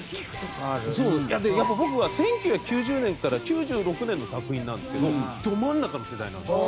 僕は１９９０年から９６年の作品なんですけどど真ん中の世代なんですよ。